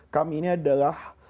kami ini adalah